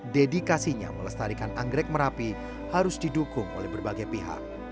dedikasinya melestarikan anggrek merapi harus didukung oleh berbagai pihak